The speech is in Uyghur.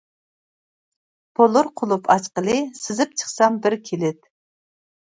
بولۇر قۇلۇپ ئاچقىلى، سىزىپ چىقسام بىر كىلىت.